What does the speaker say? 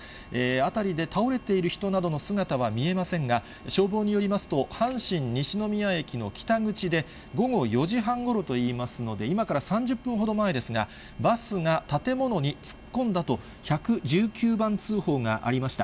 辺りで倒れている人などの姿は見えませんが、消防によりますと、阪神西宮駅の北口で、午後４時半ごろといいますので、今から３０分ほど前ですが、バスが建物に突っ込んだと、１１９番通報がありました。